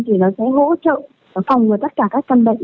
thì nó sẽ hỗ trợ phòng tất cả các chân bệnh